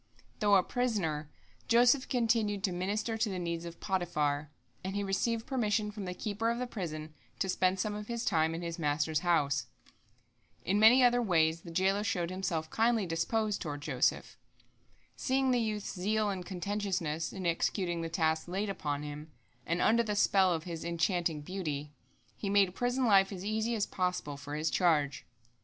Though a prisoner, Joseph continued to minister to the needs of Potiphar, and he received permission from the keeper of the prison to spend some of his time in his master's house. In many other ways the jailer showed himself kindly disposed toward Joseph. Seeing the youth's zeal and conscientiousness in executing the tasks laid upon him, and under the spell of his enchanting beauty, he made prison life as easy as possible for his charge.